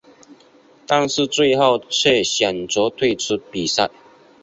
但是最后却选择退出比赛。